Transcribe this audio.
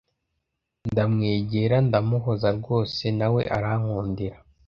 ndamwegera ndamuhoza rwose nawe arankundira